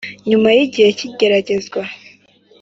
nyuma yi gihe cy’igeragezwa